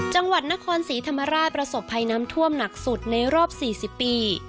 จังหวัดนครศรีธรรมราชประสบภัยน้ำท่วมหนักสุดในรอบ๔๐ปี